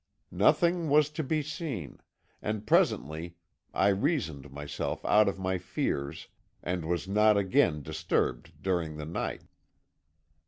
Nothing was to be seen, and presently I reasoned myself out of my fears, and was not again disturbed during the night.